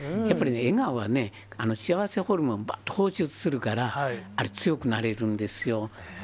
やっぱりね、笑顔は幸せホルモン、ぶわっと放出するから、あれ、強くなれるんですよ。